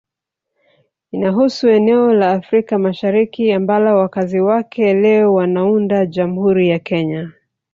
Inahusu eneo la Afrika Mashariki ambalo wakazi wake leo wanaunda Jamhuri ya Kenya